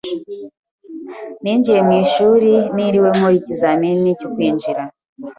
Ninjiye mu ishuri ntiriwe nkora ikizamini cyo kwinjira